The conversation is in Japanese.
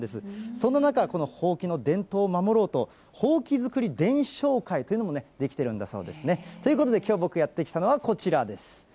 そんな中、このほうきの伝統を守ろうと、ほうき作り伝承会というのもね、出来てるんだそうですね。ということできょう、僕やって来たのはこちらです。